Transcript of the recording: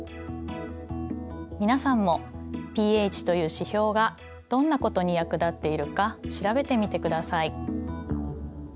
皆さんもｐＨという指標がどんなことに役立っているか調べてみてください。